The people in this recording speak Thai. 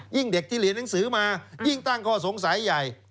เด็กที่เรียนหนังสือมายิ่งตั้งข้อสงสัยใหญ่